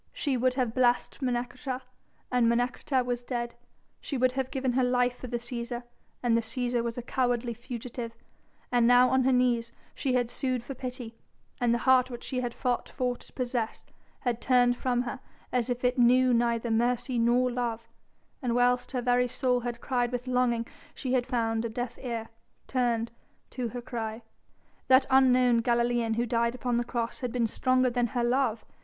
She would have blessed Menecreta and Menecreta was dead; she would have given her life for the Cæsar and the Cæsar was a cowardly fugitive, and now on her knees she had sued for pity, and the heart which she had fought for to possess had turned from her as if it knew neither mercy nor love, and whilst her very soul had cried with longing she had found a deaf ear turned to her cry. That unknown Galilean who died upon the cross had been stronger than her love.